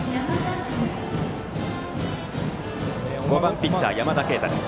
続いて５番ピッチャー山田渓太です。